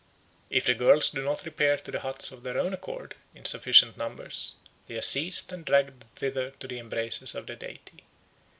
If the girls do not repair to the huts of their own accord in sufficient numbers, they are seized and dragged thither to the embraces of the deity.